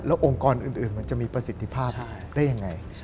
องค์กรอื่นมันจะมีประสิทธิภาพได้ยังไง